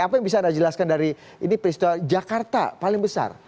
apa yang bisa anda jelaskan dari ini peristiwa jakarta paling besar